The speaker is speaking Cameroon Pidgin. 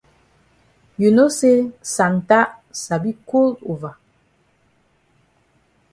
You know say Santa sabi cold over.